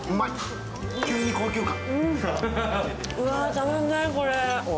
たまんない、これ。